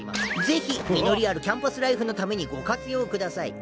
ぜひ実りあるキャンパスライフのためにご活用ください。